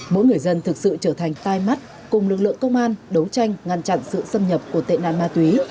mỗi người dân thực sự trở thành tai mắt cùng lực lượng công an đấu tranh ngăn chặn sự xâm nhập của tệ nạn ma túy